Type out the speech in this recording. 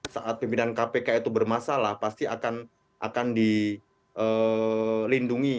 saat pimpinan kpk itu bermasalah pasti akan dilindungi